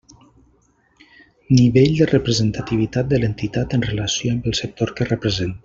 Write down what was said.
Nivell de representativitat de l'entitat en relació amb el sector que representa.